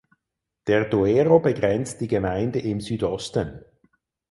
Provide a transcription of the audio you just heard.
Der Duero begrenzt die Gemeinde im Südosten.